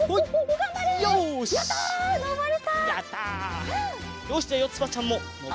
がんばれ！